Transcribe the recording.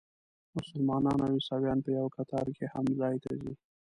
مسلمانان او عیسویان په یوه کتار کې هغه ځای ته ځي.